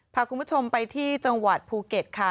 พาคุณผู้ชมไปที่จังหวัดภูเก็ตค่ะ